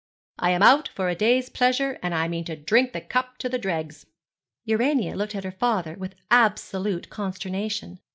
'I am out for a day's pleasure, and I mean to drink the cup to the dregs.' Urania looked at her father with absolute consternation.